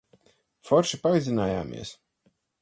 Forši pavizinājāmies.